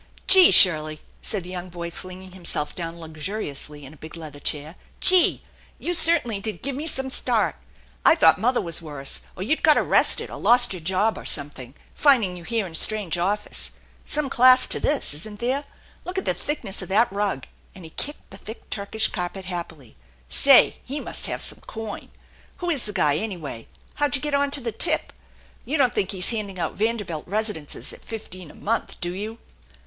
" Gee, Shirley !" said the boy, flinging himself down luxuriously in a big leather chair. " Gee ! You certainly did give me some start ! I thought mother was worse, or you'd got arrested, or lost your job, or something, finding you here in a strange office. Some class to this, isn't there ? Look at the thickness of that rug !" and he kicked the thick Turkish carpet happily. " Say, he must have some coin ! Who is the guy, anyway? How'd ya get onto the tip? You don't think he's handing out Vanderbilt residences at fifteen a month, do you?"